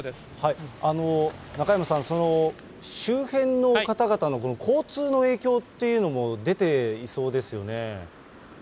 中山さん、周辺の方々の交通の影響っていうのも出ていそうですよね。